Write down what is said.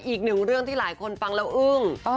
อีกหนึ่งเรื่องที่หลายคนฟังแล้วอึ้ง